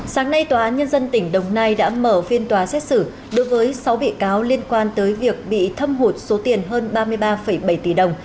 sáng nay tòa án nhân dân tỉnh đồng nai đã mở phiên tòa xét xử đối với sáu bị cáo liên quan tới việc bị thâm hụt số tiền hơn ba mươi ba bảy tỷ đồng